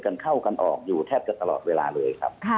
กันเข้ากันออกอยู่แทบจะตลอดเวลาเลยครับ